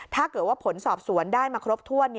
ถ้าเกิดว่าผลสอบสวนได้มาครบถ้วน